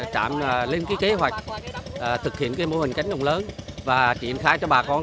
trạm lên kế hoạch thực hiện mô hình cánh đồng lớn và triển khai cho bà con